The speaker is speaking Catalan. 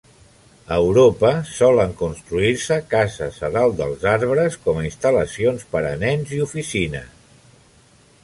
A Europa, solen construir-se cases a dalt dels arbres com a instal·lacions per a nens i oficines.